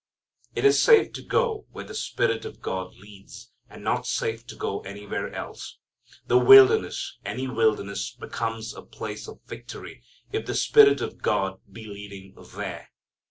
It is safe to go where the Spirit of God leads, and not safe to go anywhere else. The wilderness, any wilderness, becomes a place of victory if the Spirit of God be leading there.